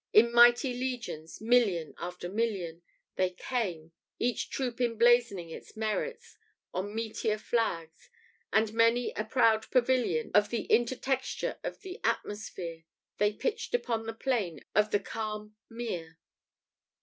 In mighty legions million after million They came, each troop emblazoning its merits On meteor flags; and many a proud pavilion, Of the intertexture of the atmosphere, They pitched upon the plain of the calm mere."